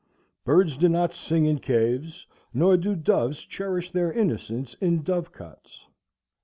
Birds do not sing in caves, nor do doves cherish their innocence in dovecots.